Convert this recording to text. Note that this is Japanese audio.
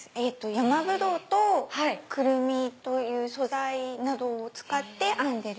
ヤマブドウとクルミという素材などを使って編んでる